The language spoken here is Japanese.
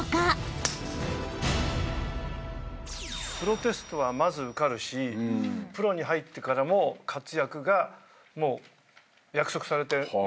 プロテストはまず受かるしプロに入ってからも活躍がもう約束されてます。